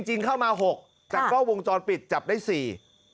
จริงเข้ามา๖จากกล้องวงจรปิดจับได้๔